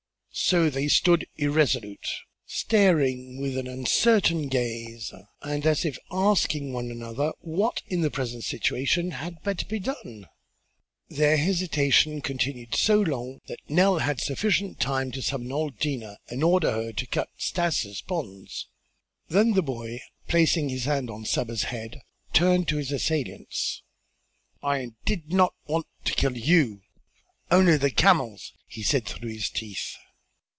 So they stood irresolute, staring with an uncertain gaze and as if asking one another what in the present situation had better be done. Their hesitation continued so long that Nell had sufficient time to summon old Dinah and order her to cut Stas' bonds. Then the boy, placing his hand on Saba's head, turned to his assailants: "I did not want to kill you only the camels," he said through his set teeth.